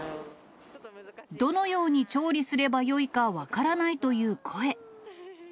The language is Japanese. どのように調理すればよいか分からないという声。